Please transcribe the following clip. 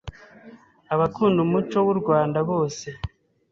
abakunda umuco w’u Rwanda bose.